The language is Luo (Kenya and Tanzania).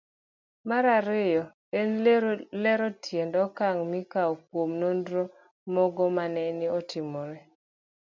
Mar ariyo en lero tiend okang' mikawo kuom nonro mogo manene otimore